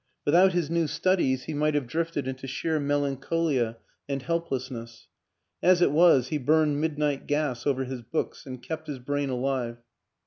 Without his new studies he might have drifted into sheer melan cholia and helplessness; as it was, he burned mid night gas over his books and kept his brain alive.